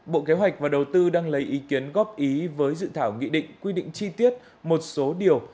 bộ kế hoạch và đầu tư đang lấy ý kiến góp ý với dự thảo nghị định quy định chi tiết một số điều